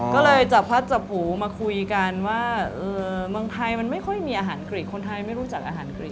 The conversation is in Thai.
ก็เลยจับพัดจับหูมาคุยกันว่าเมืองไทยมันไม่ค่อยมีอาหารกฤษคนไทยไม่รู้จักอาหารกฤษ